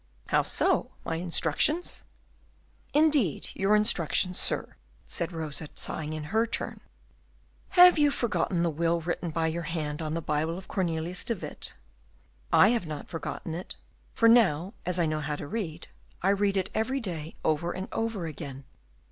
"How so? My instructions?" "Indeed, your instructions, sir," said Rosa, sighing in her turn; "have you forgotten the will written by your hand on the Bible of Cornelius de Witt? I have not forgotten it; for now, as I know how to read, I read it every day over and over again.